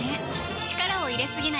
力を入れすぎない